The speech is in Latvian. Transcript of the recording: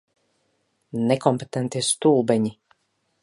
Nekompetentie stulbeņi.